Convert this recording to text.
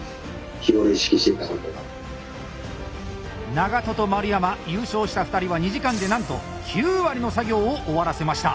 長渡と丸山優勝した２人は２時間でなんと９割の作業を終わらせました。